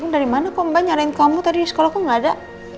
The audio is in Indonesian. turun dari mana kok mbak nyarain kamu tadi di sekolah kok gak ada